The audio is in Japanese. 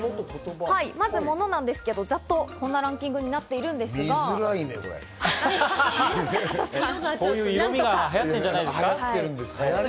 まず、モノなんですけど、ざっとこんなランキングになっているん見づらいね、これ。